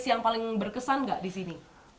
yang paling berkesan nggak di sini